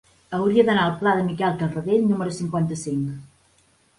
Hauria d'anar al pla de Miquel Tarradell número cinquanta-cinc.